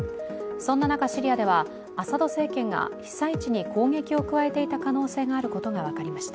そんな中シリアでは、アサド政権が被災地に攻撃を加えていた可能性があることが分かりました。